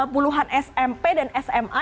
puluhan smp dan sma